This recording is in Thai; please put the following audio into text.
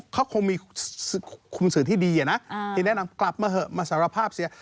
เขาคงมีคุมสื่อที่ดีอะนะที่แนะนำกลับมาเถอะมาสารภาพเสีย